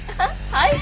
はい！